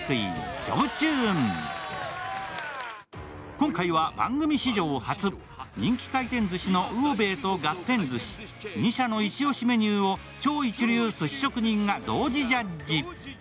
今回は番組史上初、人気回転ずしの魚べいとがってん寿司、２社のイチオシメニューを超一流すし職人が同時ジャッジ。